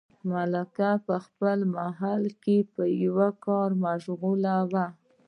ملکه په خپل محل کې په یوه کار مشغوله وه.